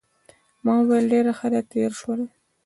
ما وویل ډېره ښه تېره شول.